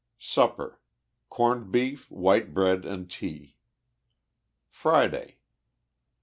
Supper. Corned beef, white bread and tea. FRIDAY.